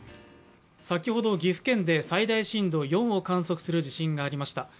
先ほど岐阜県で最大震度４を観測する地震がありました。